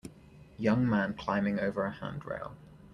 Young man climbing over a handrail.